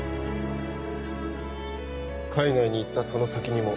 「海外に行ったその先にも」